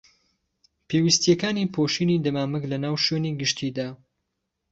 پێویستیەکانی پۆشینی دەمامک لەناو شوێنی گشتیدا